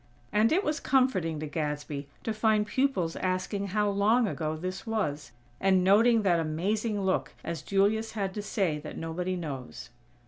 And it was comforting to Gadsby to find pupils asking how long ago this was, and noting that amazing look as Julius had to say that nobody knows.